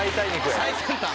最先端。